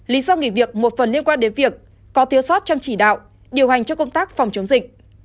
lý do nghỉ việc một phần liên quan đến việc có thiếu sót trong chỉ đạo điều hành cho công tác phòng chống dịch